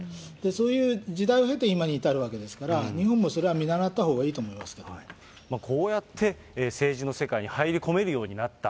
そういう時代を経て今に至るわけですから、日本もそれは見習ったこうやって政治の世界に入り込むようになった。